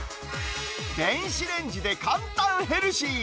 電子レンジで簡単ヘルシー。